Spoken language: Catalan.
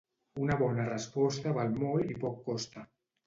Una bona resposta val molt i poc costa.